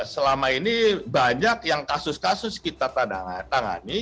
selama ini banyak yang kasus kasus kita tangani